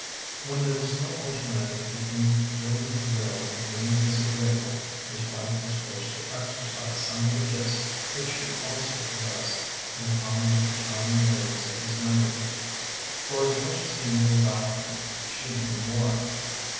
When there was no alternative between doing his will and being disagreeable, his wife was forced to exer cise some of the gifts which she also possessed in common with the charming ladies of his memory. For as much as he knew about them, she knew more.